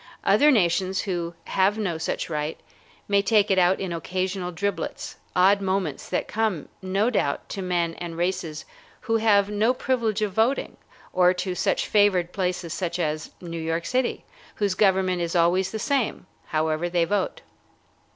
Other nations who have no such right may take it out in occasional driblets, odd moments that come, no doubt, to men and races who have no privilege of voting, or to such favored places as New York city, whose government is always the same, however they vote.